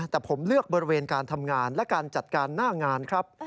แต่ผมเลือกบริเวณการทำงานและการจัดการหน้างานครับ